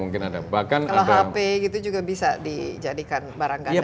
kalau hp gitu juga bisa dijadikan barangkanya tv